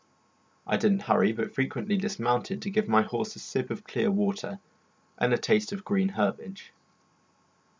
I did not hurry, but frequently dismounted to give my horse a sip of clear water and a taste of green herbage.